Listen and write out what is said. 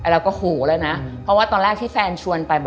เราก็โหแล้วนะเพราะว่าตอนแรกที่แฟนชวนไป